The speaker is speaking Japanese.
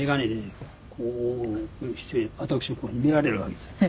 こういうふうにして私を見られるわけです。